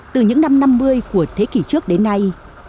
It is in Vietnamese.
từ những năm năm mươi của thế kỷ trước đến nay